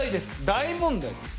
大問題です